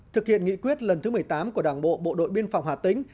thực hiện nghị quyết lần thứ một mươi tám của đảng bộ bộ đội biên phòng hà tĩnh